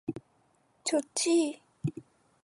좋지?